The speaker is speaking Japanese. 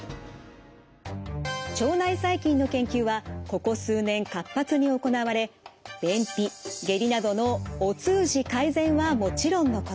腸内細菌の研究はここ数年活発に行われ便秘下痢などのお通じ改善はもちろんのこと